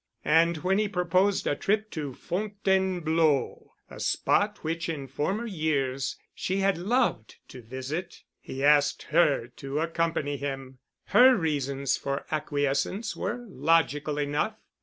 And when he proposed a trip to Fontainebleau, a spot which in former years she had loved to visit, he asked her to accompany him. Her reasons for acquiescence were logical enough.